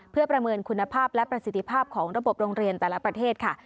เพื่อประเมินคุณภาพและประสิทธิภาพของระบบโรงเรียนแต่ละประเทศค่ะ